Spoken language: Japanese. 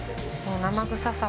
生臭さが。